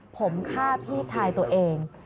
ผมฆ่าพี่ชายตัวเอง